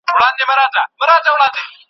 د انګیرنو بدلون د علم په اساس تشریح کيږي.